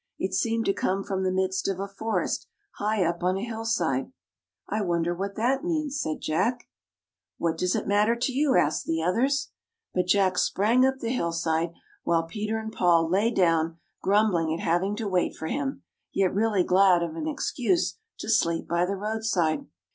It seemed to come from the midst of a forest high up on a hillside. " I wonder what that means! " said Jack. [Ill] FAVORITE FAIRY TALES RETOLD " What does it matter to you? " asked the others. But Jack sprang up the hillside, while Peter and Paul lay down, grumbling at hav ing to wait for him, yet really glad of an excuse to sleep by the roadside.